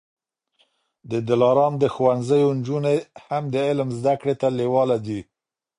د دلارام د ښوونځیو نجوني هم د علم زده کړې ته لېواله دي.